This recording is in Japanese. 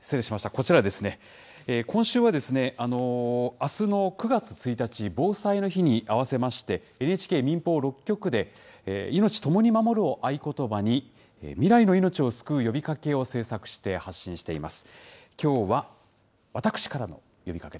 こちらですね、今週は、あすの９月１日、防災の日に合わせまして、ＮＨＫ、民放６局で、いのちともに守るを合言葉に、未来の命を救う呼びかけを制作して発信しています。